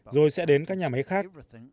rồi sẽ đến các nhà máy khác